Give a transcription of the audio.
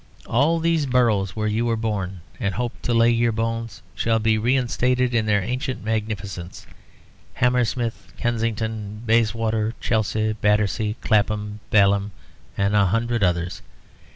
All these boroughs where you were born, and hope to lay your bones, shall be reinstated in their ancient magnificence, Hammersmith, Kensington, Bayswater, Chelsea, Battersea, Clapham, Balham, and a hundred others.